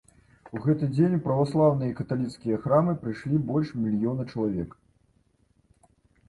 У гэты дзень у праваслаўныя і каталіцкія храмы прыйшлі больш мільёна чалавек.